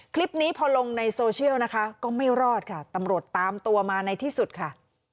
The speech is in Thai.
คลิปนี้พอลงในโซเชียลนะคะก็ไม่รอดค่ะตำรวจตามตัวมาในที่สุดค่ะ